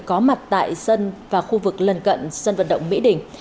có mặt tại sân và khu vực lần cận sân vận động mỹ đình